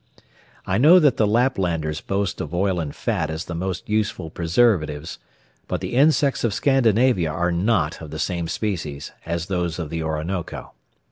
I know that the Laplanders boast of oil and fat as the most useful preservatives; but the insects of Scandinavia are not of the same species as those of the Orinoco.